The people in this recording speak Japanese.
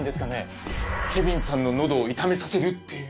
ケビンさんの喉を痛めさせるっていう。